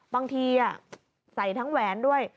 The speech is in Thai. บางทีใส่ทั้งแหวนด้วย